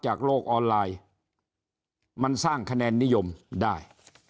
โลกออนไลน์มันสร้างคะแนนนิยมได้